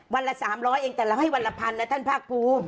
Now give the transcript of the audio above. วันละ๓๐๐เองแต่เราให้วันละพันนะท่านภาคภูมิ